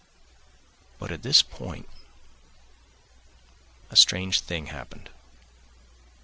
But at this point a strange thing happened.